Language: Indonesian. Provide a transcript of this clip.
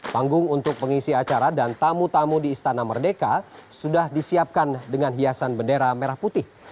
panggung untuk pengisi acara dan tamu tamu di istana merdeka sudah disiapkan dengan hiasan bendera merah putih